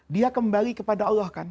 dia kembali kepada allah